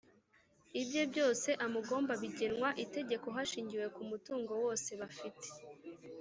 Ibye byose amugomba bigenwa itegeko hashingiwe ku mutungo wose bafite